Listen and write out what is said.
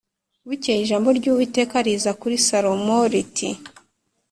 Bukeye ijambo ry’Uwiteka riza kuri Salomo riti